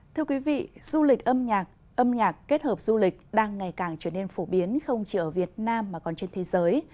thưa quý vị du lịch âm nhạc âm nhạc kết hợp du lịch đang ngày càng trở nên phổ biến không chỉ ở việt nam mà còn trên thế giới